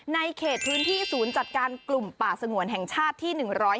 เขตพื้นที่ศูนย์จัดการกลุ่มป่าสงวนแห่งชาติที่๑๕